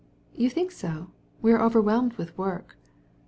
"You think so, but we're overwhelmed with work."